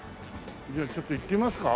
じゃあちょっと行ってみますか。